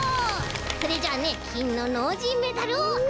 それじゃあねきんのノージーメダルをあげます！